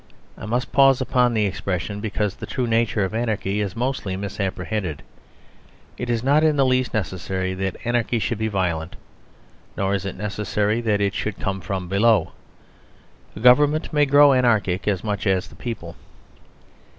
I must pause upon the expression; because the true nature of anarchy is mostly misapprehended. It is not in the least necessary that anarchy should be violent; nor is it necessary that it should come from below. A government may grow anarchic as much as a people.